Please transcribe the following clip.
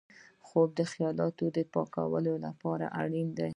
خوب د خیالاتو پاکولو لپاره اړین دی